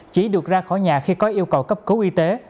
chỉ được ra khỏi nhà khi có yêu cầu cấp cứu y tế